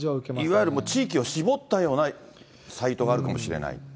いわゆる地域を絞ったようなサイトがあるかもしれない？